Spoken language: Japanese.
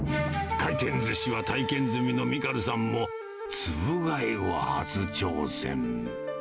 回転ずしは体験済みのミカルさんも、つぶ貝は初挑戦。